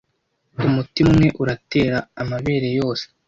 Umutima umwe uratera amabere yose!